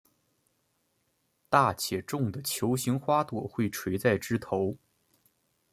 大且重的球形花朵会垂在枝头。